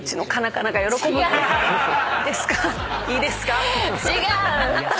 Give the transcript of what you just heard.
「いいですか？」